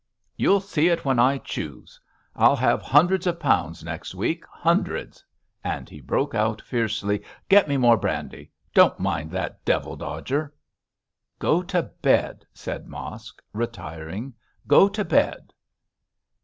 'You'll see it when I choose. I'll have hundreds of pounds next week hundreds;' and he broke out fiercely, 'get me more brandy; don't mind that devil dodger.' 'Go to bed,' said Mosk, retiring, 'go to bed.'